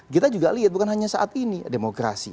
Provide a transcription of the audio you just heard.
kita juga lihat bukan hanya saat ini demokrasi